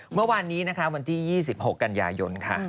เมื่อวานนี้นะคะวันที่๒๖กันยายนค่ะ